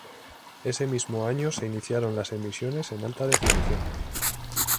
Ese mismo año se iniciaron las emisiones en alta definición.